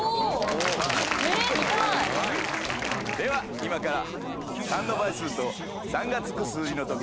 では今から。